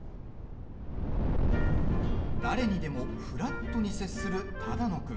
誰にでもフラットに接する只野君。